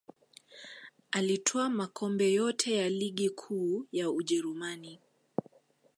Alitwaa makombe yote ya ligi kuu ya ujerumani